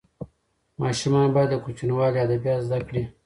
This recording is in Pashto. ماشومان باید له کوچنیوالي ادبیات زده کړي.